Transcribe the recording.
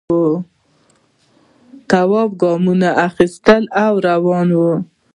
تواب گامونه اخیستل او روان و.